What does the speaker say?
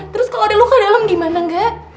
terus kalau ada luka dalam gimana gak